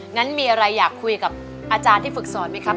งั้นมีอะไรอยากคุยกับอาจารย์ที่ฝึกสอนไหมครับ